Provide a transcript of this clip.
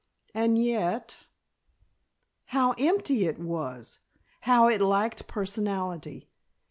And yet ! How empty it was! How it lacked personality!